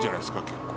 結構。